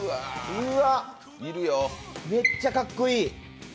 うわっ、めっちゃかっこいい。